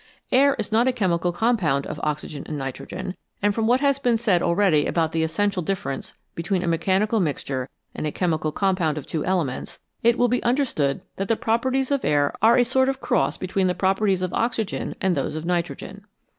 Air is not a chemical compound of oxygen and nitrogen, and from what has been said already about the essential difference between a mechanical mixture and a chemical compound of two elements, it will be understood that the properties of air are a sort of cross between the properties of oxygen and those of nitrogen.